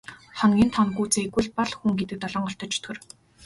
Хоногийн тоо нь гүйцээгүй л бол хүн гэдэг долоон голтой чөтгөр.